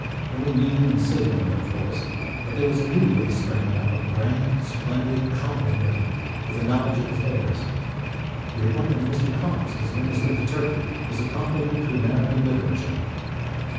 There were mean and silly women, of course, but there was a new race springing up of grand, splendid, competent women, with a knowledge of affairs. The appointment of Mr. Cox as Minister to Turkey was a compliment to American literature.